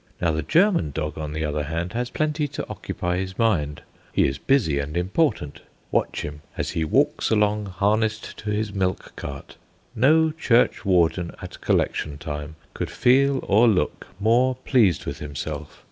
Now the German dog, on the other hand, has plenty to occupy his mind. He is busy and important. Watch him as he walks along harnessed to his milk cart. No churchwarden at collection time could feel or look more pleased with himself.